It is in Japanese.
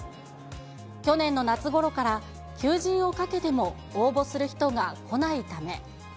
去年の夏ごろから、求人をかけても、応募する人が来ないため。